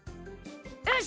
よし！